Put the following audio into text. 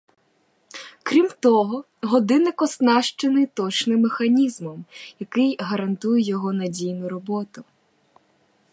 Крім того, годинник оснащений точним механізмом, який гарантує його надійну роботу.